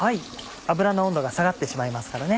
油の温度が下がってしまいますからね。